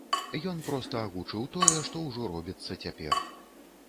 Ён проста агучыў тое, што ўжо робіцца цяпер.